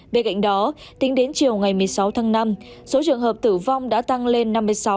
bên cạnh đó tính đến chiều ngày một mươi sáu tháng năm số trường hợp tử vong đã tăng lên năm mươi sáu